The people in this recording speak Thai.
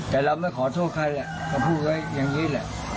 แต่เราไม่ขอโทษใครก็พูดไว้อย่างนี้แหละ